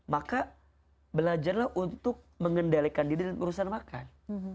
maka belajarlah untuk mengendalikan diri dan urusan makan